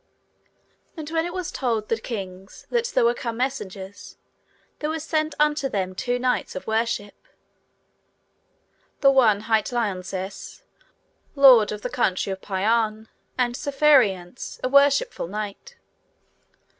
And when it was told the kings that there were come messengers, there were sent unto them two knights of worship, the one hight Lionses, lord of the country of Payarne, and Sir Phariance a worshipful knight.